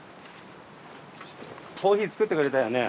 コーヒー作ってくれたよね？